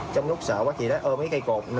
trong lúc sợ quá chị đó ôm cây cột